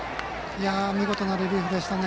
見事なリリーフでしたね。